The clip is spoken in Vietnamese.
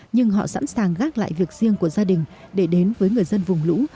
nhưng họ sẵn sàng gác lại việc riêng của gia đình để đến với người dân vùng lũ